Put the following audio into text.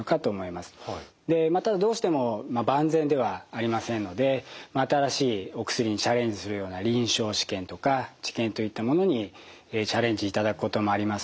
でまたどうしても万全ではありませんので新しいお薬にチャレンジするような臨床試験とか治験といったものにチャレンジいただくこともあります。